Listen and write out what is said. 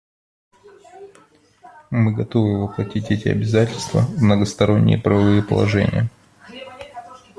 Мы готовы воплотить эти обязательства в многосторонние правовые положения.